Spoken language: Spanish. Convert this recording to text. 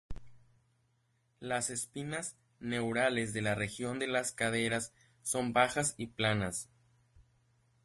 Las espinas neurales de la región de las caderas son bajas y planas.